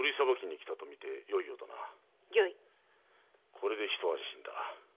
これでひと安心だ。